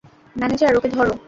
Manager, ওকে ধরো।